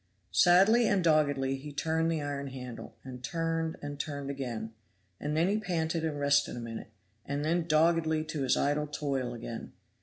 Sadly and doggedly he turned the iron handle, and turned and turned again; and then he panted and rested a minute, and then doggedly to his idle toil again.